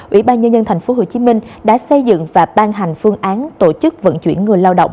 ủy ban nhân dân tp hcm đã xây dựng và ban hành phương án tổ chức vận chuyển người lao động